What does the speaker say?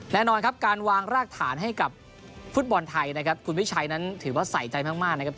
แน่นอนครับการวางรากฐานให้กับฟุตบอลไทยนะครับคุณวิชัยนั้นถือว่าใส่ใจมากนะครับ